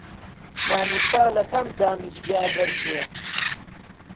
مامۆستا لە کام دانشگا دەرچووە؟